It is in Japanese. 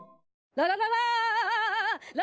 ララララ！